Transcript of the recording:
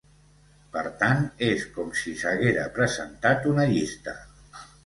Per tant, és com si s’haguera presentat una llista.